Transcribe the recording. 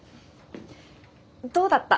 どうだった？